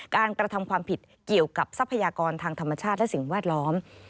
กระทำความผิดเกี่ยวกับทรัพยากรทางธรรมชาติและสิ่งแวดล้อม